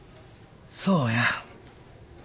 そうや。